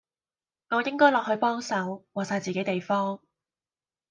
我應該落去幫手，話哂自己地方